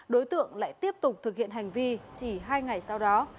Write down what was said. đối tượng lại tiếp tục thực hiện hành vi chỉ hai ngày sau đó